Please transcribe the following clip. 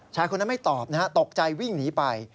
ชายคนนั้นไม่ตอบตกใจวิ่งหนีไป